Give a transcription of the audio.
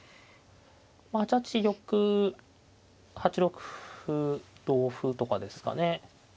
８八玉８六歩同歩とかですかね。